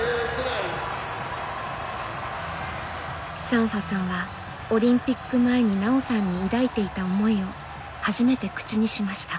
サンファさんはオリンピック前に奈緒さんに抱いていた思いを初めて口にしました。